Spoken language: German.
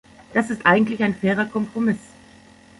Das ist eigentlich ein fairer Kompromiss.